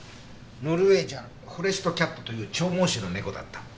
ノルウェージャンフォレストキャットという長毛種の猫だった。